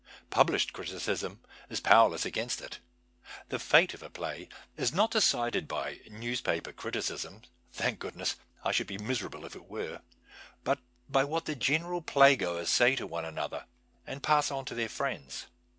Published criticism is powerless against it. The fate of a play is not decided by newspaper criticisms (thank goodness ! I should be miserable if it were), but by what the general playgoers say to one another and pass on to their friends.